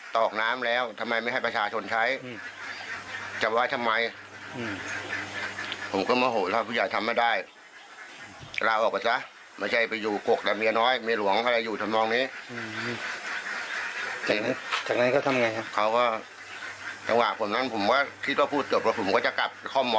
ก็เลยถอยปุ่มจนฝันหักประจำเสียครับ